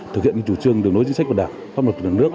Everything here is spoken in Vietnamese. thực hiện chủ trương đường đối chính sách và đảng pháp luật của nước